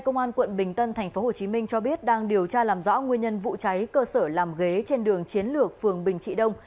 công an quận bình tân thành phố hồ chí minh cho biết đang điều tra làm rõ nguyên nhân vụ cháy cơ sở làm ghế trên đường chiến lược phường bình trị đông